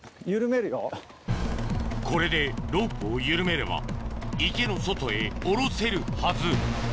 これでロープを緩めれば池の外へ降ろせるはず